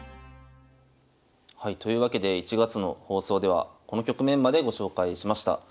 はいというわけで１月の放送ではこの局面までご紹介しました。